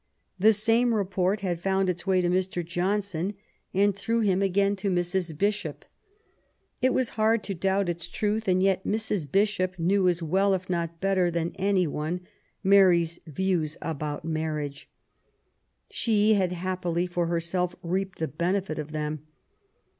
'' The same report had found its way to Mr. Johnson^ and through him again to Mrs. Bishop. It was hard to doubt its truth, and yet Mrs. Bishop knew as well if not better than any one Mary's views about marriage. She had, happily for herself, reaped the benefit of them.